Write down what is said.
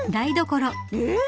えっ？